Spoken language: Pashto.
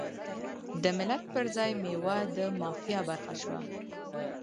د ملت پر ځای میوه د مافیا برخه شوه.